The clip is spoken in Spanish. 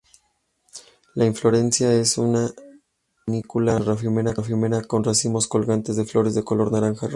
La inflorescencia en una panícula ramificada con racimos colgantes de flores de color naranja-rojo.